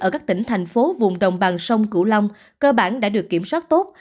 ở các tỉnh thành phố vùng đồng bằng sông cửu long cơ bản đã được kiểm soát tốt